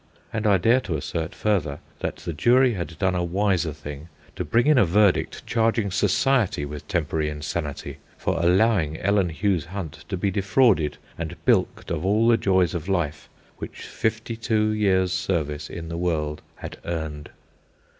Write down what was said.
And I dare to assert, further, that the jury had done a wiser thing to bring in a verdict charging society with temporary insanity for allowing Ellen Hughes Hunt to be defrauded and bilked of all the joys of life which fifty two years' service in the world had earned.